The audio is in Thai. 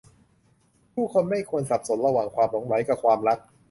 ผู้คนไม่ควรสับสนระหว่างความหลงใหลกับความรัก